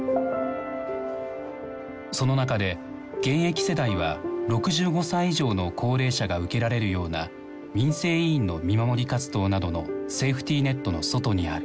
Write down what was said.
その中で現役世代は６５歳以上の高齢者が受けられるような民生委員の見守り活動などのセーフティーネットの外にある。